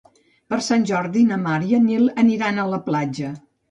Per Sant Jordi na Mar i en Nil aniran a la platja.